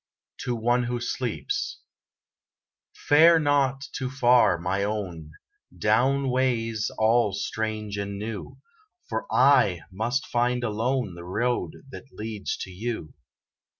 TO ONE WHO SLEEPS Fare not too far, my own, Down ways all strange and new, For I must find alone, The road that leads to you.